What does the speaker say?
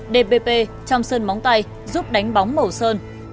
dbp trong sơn móng tay giúp đánh bóng màu sơn